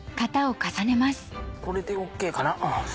これでＯＫかな？